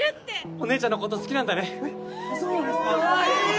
お姉ちゃんのこと好きなんだね。